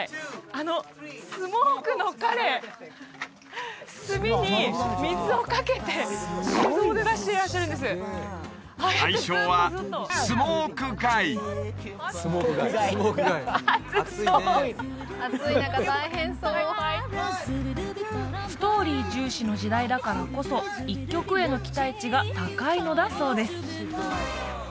あのスモークの彼炭に水をかけて手動で出してらっしゃるんです愛称は熱そうストーリー重視の時代だからこそ１曲への期待値が高いのだそうです